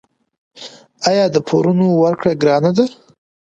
آیا د پورونو ورکړه ګرانه ده؟